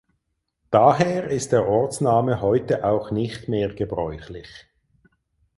Daher ist der Ortsname heute auch nicht mehr gebräuchlich.